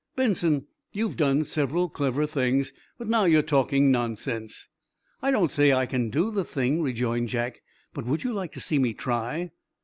"Benson, you've done several clever things, but now you're talking nonsense." "I don't say I can do the thing," rejoined Jack, "but would you like to see me try?"